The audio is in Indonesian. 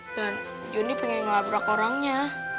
jonny pengen ngelabrak orangnya